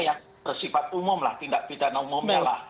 yang bersifat umum lah tindak pidana umumnya lah